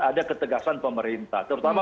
ada ketegasan pemerintah terutama